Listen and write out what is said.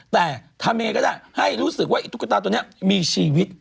แต่ทำยังไงก็ได้ให้รู้สึกว่าไอ้ตุ๊กตาตัวนี้มีชีวิต